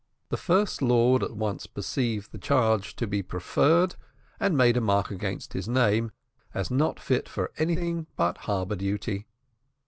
The First Lord at once perceived the charge to be preferred, and made a mark against his name as not fit for anything but harbour duty.